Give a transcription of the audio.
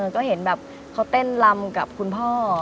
ก็เห็นแบบเขาเต้นลำกับคุณพ่อ